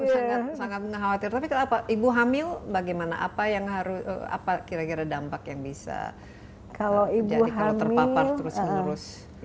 ini saya sangat khawatir tapi ibu hamil bagaimana apa kira kira dampak yang bisa jadi kalau terpapar terus ke rumah